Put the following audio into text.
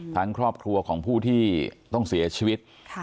ครอบครัวของผู้ที่ต้องเสียชีวิต